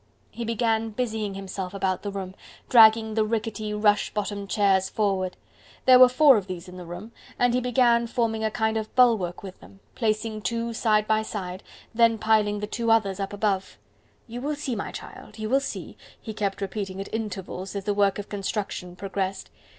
He began busying himself about the room, dragging the rickety, rush bottomed chairs forward. There were four of these in the room, and he began forming a kind of bulwark with them, placing two side by side, then piling the two others up above. "You will see, my child, you will see!" he kept repeating at intervals as the work of construction progressed.